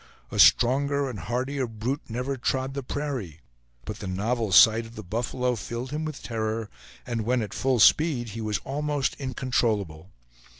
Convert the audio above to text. A stronger and hardier brute never trod the prairie; but the novel sight of the buffalo filled him with terror, and when at full speed he was almost incontrollable.